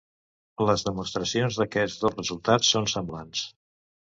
Les demostracions d'aquests dos resultats són semblants.